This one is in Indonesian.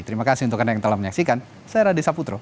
terima kasih untuk anda yang telah menyaksikan saya radi saputro